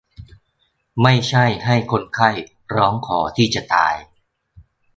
ไม่ใช่ให้คนไข้ร้องขอที่จะตาย